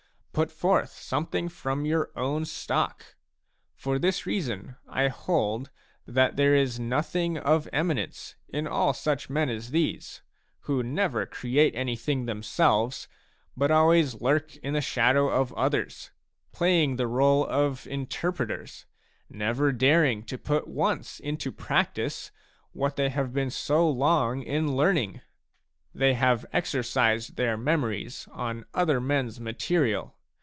Put forth something frorn your own stock. For this reason I hold that there is nothing of eminence in all such men as these, who never create anything themselves, but always lurk in the shadow of others, playing the rdle of interpreters, never daring to put once into practice what they have been so long in learning. They have exercised their memories on other men's material.